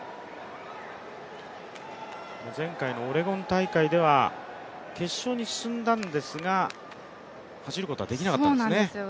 前回のオレゴン大会では決勝に進んだんですが走ることはできなかったんですね。